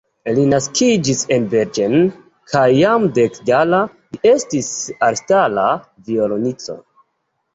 Li naskiĝis en Bergen, kaj jam dek-jara li estis elstara violonisto.